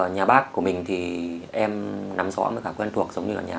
nhà bác của mình thì em nắm rõ với cả quen thuộc giống như là nhà của mình